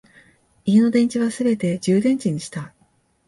家の電池はすべて充電池にした